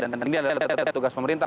ini adalah tugas pemerintah